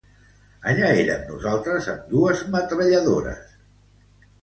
Allí érem nosaltres amb dues metralladores.